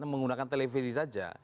menggunakan televisi saja